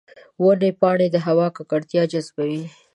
د ونو پاڼې د هوا ککړتیا جذبوي.